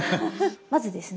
まずですね